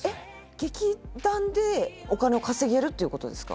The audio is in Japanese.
劇団でお金を稼げるっていうことですか？